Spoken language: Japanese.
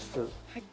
はい。